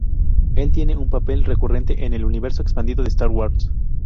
Él tiene un papel recurrente en el universo expandido de Star Wars.